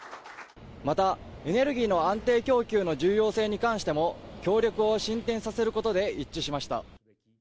また、エネルギーの安定供給の重要性に関しても協力を進展させることで一致しました。